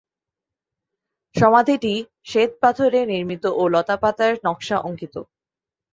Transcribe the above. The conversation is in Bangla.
সমাধিটি শ্বেত পাথরে নির্মিত ও লতা পাতার নকশা অঙ্কিত।